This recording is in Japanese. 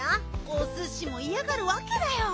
おすしもいやがるわけだよ。